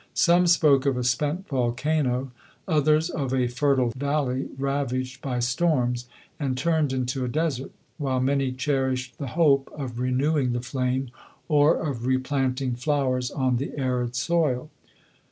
Some spoke of a spent volcano — others of a fertile valley ravaged by storms, and turned into a desert ; while many cherished the hope of re newing the flame, or of replanting flowers on the arid soil.